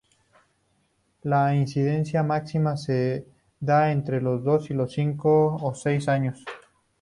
La incidencia máxima se da entre los dos y los cinco o seis años.